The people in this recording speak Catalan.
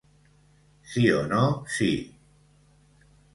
Sí o no sí.